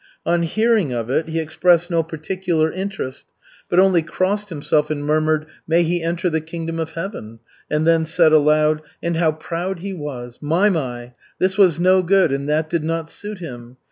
On hearing of it he expressed no particular interest, but only crossed himself and murmured: "May he enter the Kingdom of Heaven," and then said aloud: "And how proud he was! My, my! This was no good, and that did not suit him.